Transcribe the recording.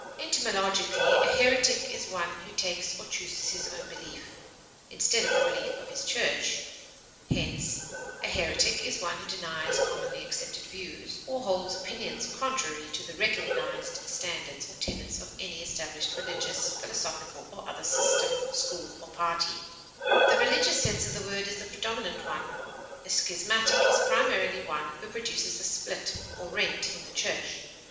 Etymologically, a heretic is one who takes or chooses his own belief, instead of the belief of his church; hence, a heretic is one who denies commonly accepted views, or who holds opinions contrary to the recognized standard or tenets of any established religious, philosophical, or other system, school, or party; the religious sense of the word is the predominant one; a schismatic is primarily one who produces a split or rent in the church.